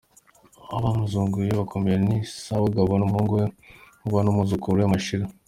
Abamuzunguye bakomeye ni Sabugabo n’umuhungu we Nkuba n’Umwuzukuru we Mashira.